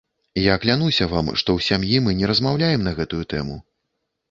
Я клянуся вам, што ў сям'і мы не размаўляем на гэтую тэму.